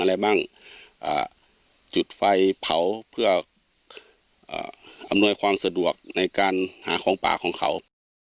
อะไรบ้างจุดไฟเผาเพื่ออำนวยความสะดวกในการหาของป่าของเขา